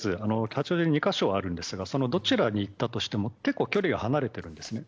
八王子に２カ所あるんですがそのどちらに行ったとしても結構距離が離れているんですね。